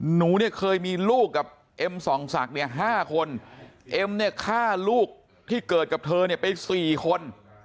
หนูเนี่ยเคยมีลูกกับเอ็มส่องศักดิ์เนี่ย๕คนเอ็มเนี่ยฆ่าลูกที่เกิดกับเธอเนี่ยไปสี่คน